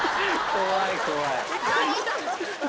怖い怖い。